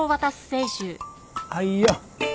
はいよ。